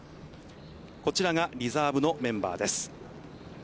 こちらがリザーブのメンバーです。